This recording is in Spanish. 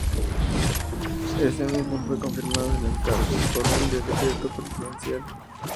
Ese mismo día fue confirmado en el cargo por un decreto presidencial.